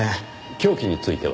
凶器については？